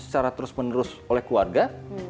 secara terus menerus oleh keluarga